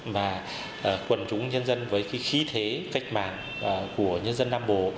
và quần chúng nhân dân với cái khí thế cách mạng của nhân dân nam bộ